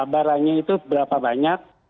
baranya itu berapa banyak